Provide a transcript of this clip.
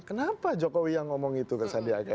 kenapa jokowi yang ngomong itu ke sandiaga